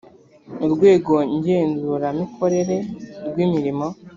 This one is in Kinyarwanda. urwego ngenzuramikorere rw imirimo